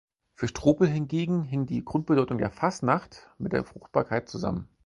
Für Strobel hingegen hing die Grundbedeutung der „Fasnacht“ mit der Fruchtbarkeit zusammen.